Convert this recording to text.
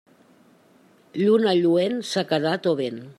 Lluna lluent, sequedat o vent.